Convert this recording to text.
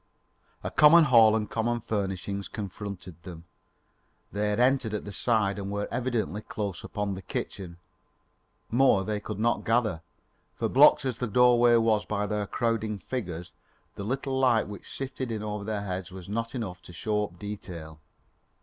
A common hall and common furnishings confronted them. They had entered at the side and were evidently close upon the kitchen. More they could not gather; for blocked as the doorway was by their crowding figures, the little light which sifted in over their heads was not enough to show up details.